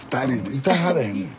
いたはれへんねん。